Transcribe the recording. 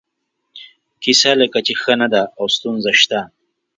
کیسه لکه چې ښه نه ده او ستونزه شته.